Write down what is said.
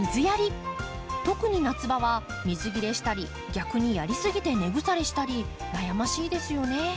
特に夏場は水切れしたり逆にやり過ぎて根腐れしたり悩ましいですよね。